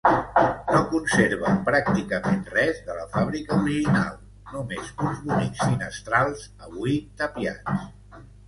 No conserva pràcticament res de la fàbrica original, només uns bonics finestrals, avui tapiats.